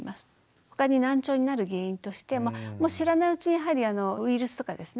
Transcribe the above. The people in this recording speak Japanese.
他に難聴になる原因としては知らないうちにやはりウイルスとかですね